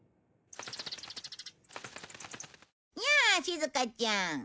やあしずかちゃん。